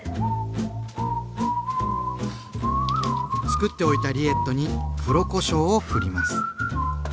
つくっておいたリエットに黒こしょうをふります。